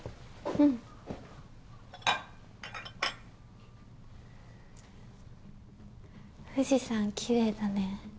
うん富士山きれいだね